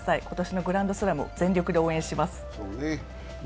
今年のグランドスラムを全力で応援します。